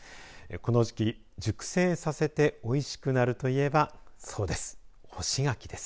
この時期、熟成させておいしくなるといえばそうです。